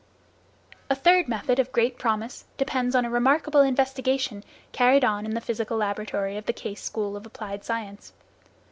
A third method of great promise depends on a remarkable investigation carried on in the physical laboratory of the Case School of Applied Science.